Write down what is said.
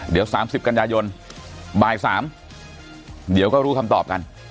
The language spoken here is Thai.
เดี๋ยว๓๐กันยายนบ่าย๓เดี๋ยวก็รู้คำตอบกัน